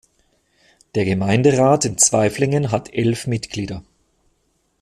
Der Gemeinderat in Zweiflingen hat elf Mitglieder.